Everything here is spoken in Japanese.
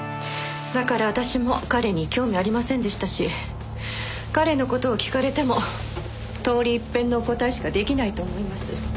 だから私も彼に興味ありませんでしたし彼の事を聞かれても通り一遍のお答えしか出来ないと思います。